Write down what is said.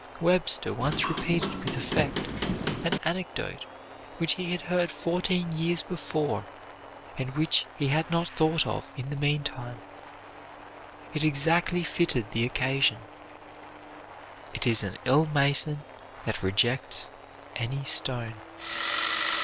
Webster once repeated with effect an anecdote which he had heard fourteen years before, and which he had not thought of in the meantime. It exactly fitted the occasion. "It is an ill mason that rejects any stone."